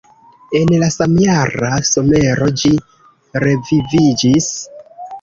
En la samjara somero ĝi reviviĝis.